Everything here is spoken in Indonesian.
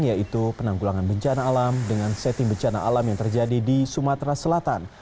yaitu penanggulangan bencana alam dengan setting bencana alam yang terjadi di sumatera selatan